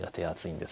はい。